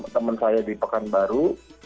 teman saya di pekanbaru